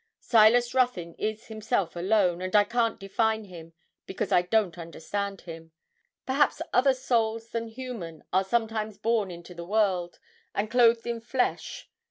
Silas Ruthyn is himself alone, and I can't define him, because I don't understand him. Perhaps other souls than human are sometimes born into the world, and clothed in flesh.